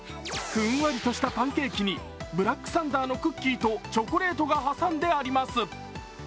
ふんわりとしたパンケーキにブラックサンダーのクッキーとチョコレートが挟んであります。